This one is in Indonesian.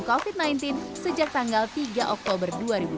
selama beberapa tahun covid sembilan belas sejak tanggal tiga oktober dua ribu dua puluh